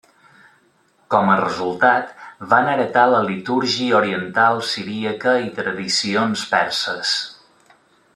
Com a resultat, van heretar la litúrgia oriental siríaca i tradicions perses.